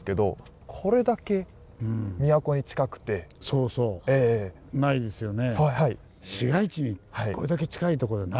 そうそうないですよね。